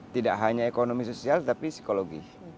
tidak hanya ekonomi sosial tapi psikologi